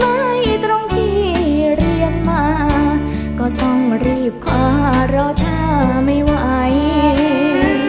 ไม่ตรงที่เรียนมาก็ต้องรีบขอรอถ้าไม่ไหว